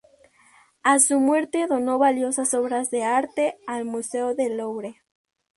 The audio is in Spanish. A su muerte donó valiosas obras de arte al Museo del Louvre.